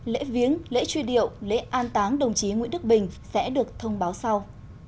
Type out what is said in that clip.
lễ viếng lễ truy điệu lễ an táng đồng chí nguyễn đức bình sẽ được thông báo sau